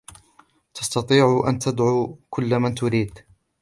تستطيع أن تدعو كل من تريد.